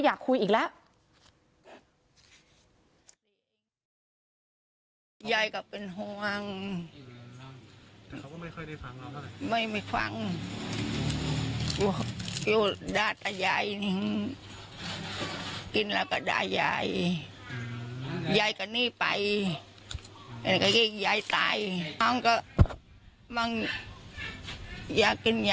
ยายก็ไม่รู้ยายก็เพราะยาย